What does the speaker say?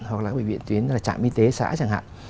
hoặc là bệnh viện tuyến trạm y tế xã chẳng hạn